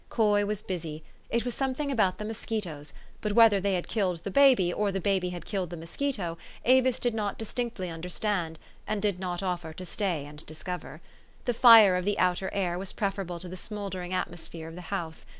Coy was busy: it was something about the mosquitos ; but whether they had killed the baby, or the baby had killed the mosquito, Avis did not distinctly understand, and did not offer to sfay and discover. The fire of the outer air was preferable to the smouldering atmosphere of the house.